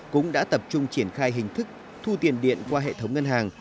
cũng đã tập trung triển khai hình thức thu tiền điện qua hệ thống ngân hàng